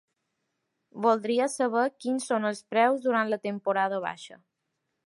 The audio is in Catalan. Voldria saber quins son els preus durant la temporada baixa.